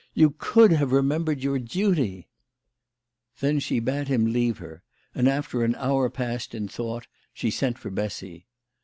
You could have remem bered your duty !" Then she bade him leave her, and after an hour passed in thought she sent for Bessy.